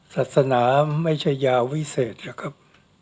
ศาสนาไม่ใช่ยาวิเศษนะครับ